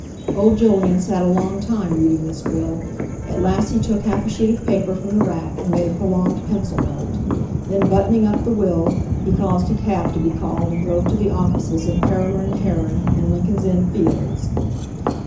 Old Jolyon sat a long time reading this Will; at last he took half a sheet of paper from the rack, and made a prolonged pencil note; then buttoning up the Will, he caused a cab to be called and drove to the offices of Paramor and Herring, in Lincoln's Inn Fields.